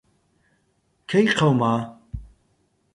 کەی قەوما؟